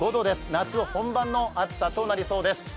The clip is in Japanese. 夏本番の暑さとなりそうです。